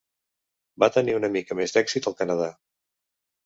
Va tenir una mica més d'èxit al Canadà.